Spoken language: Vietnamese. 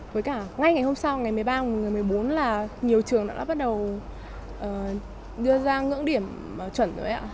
với cả ngay ngày hôm sau ngày một mươi ba một mươi bốn là nhiều trường đã bắt đầu đưa ra ngưỡng điểm chuẩn rồi ạ